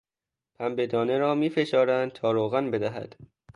پنبه دانه را میفشارند تا روغن بدهد.